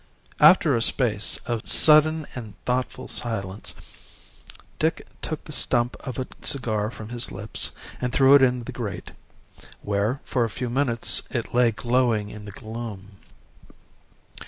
After a space of sudden and thoughtful silence, Dick took the stump of a cigar from his lips and threw it in the grate, where for a few moments it lay glowing in the gloom.